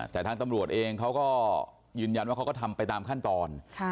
แต่ทางตำรวจเองเขาก็ยืนยันว่าเขาก็ทำไปตามขั้นตอน